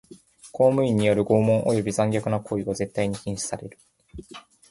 公務員による拷問および残虐な行為は絶対に禁止される。